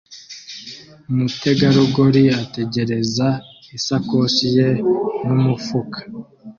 Umutegarugori ategereza isakoshi ye n umufuka